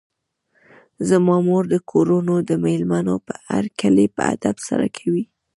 زما مور د کورونو د مېلمنو هرکلی په ادب سره کوي.